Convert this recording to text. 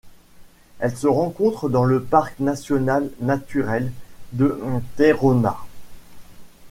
Elle se rencontre dans le parc national naturel de Tayrona.